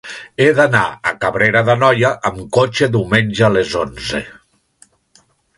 He d'anar a Cabrera d'Anoia amb cotxe diumenge a les onze.